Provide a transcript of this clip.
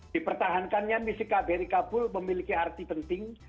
dipertahankannya misi kbri kabul memiliki arti penting